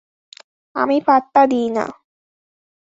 আমি পাত্তা দিই না।